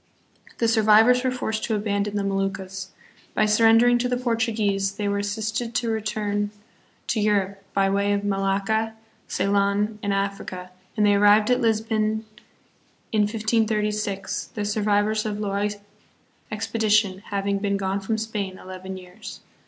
The sur vivors were forced to abandon the Moluccas. By sur rendering to the Portuguese they were assisted to return SPANISH SOLDIER AND MISSIONARY. 117 to Europe by way of Malacca, Ceylon, and Africa, and they arrived at Lisbon in 1536, the survivors of Loaisa's expedition, having been gone from Spain eleven years.